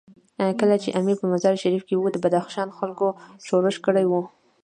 کله چې امیر په مزار شریف کې وو، د بدخشان خلکو ښورښ کړی وو.